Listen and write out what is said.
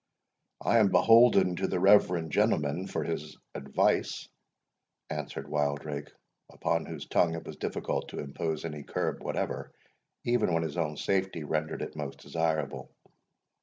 "I am beholden to the reverend gentleman for his advice," answered Wildrake, upon whose tongue it was difficult to impose any curb whatever, even when his own safety rendered it most desirable.